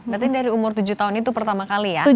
berarti dari umur tujuh tahun itu pertama kali ya